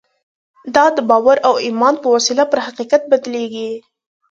دا د باور او ایمان په وسیله پر حقیقت بدلېږي